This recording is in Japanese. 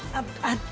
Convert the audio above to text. あっ。